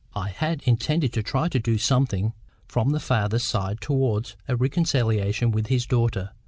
I had intended to try to do something from the father's side towards a reconciliation with his daughter.